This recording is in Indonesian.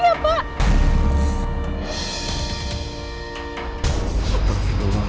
mau pak dia bukan suami saya pak